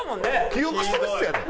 記憶喪失やで。